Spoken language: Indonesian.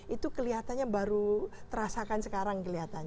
itu kelihatannya baru terasakan sekarang kelihatan